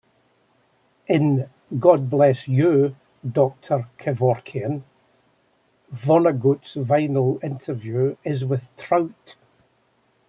In "God Bless You, Doctor Kevorkian", Vonnegut's final interview is with Trout.